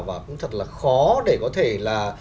và cũng thật là khó để có thể là